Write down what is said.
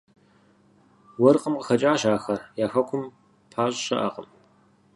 Уэркъым къыхэкӀащ ахэр, я хэкум пащӀ щыӀакъым.